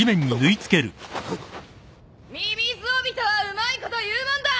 みみず帯とはうまいこと言うもんだ！